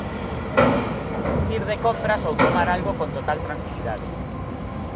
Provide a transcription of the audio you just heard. Ir de compras ou tomar algo con total tranquilidade.